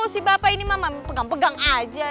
si bapak ini mama pegang pegang aja